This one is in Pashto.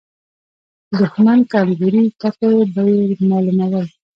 د دښمن کمزوري ټکي به يې مالومول.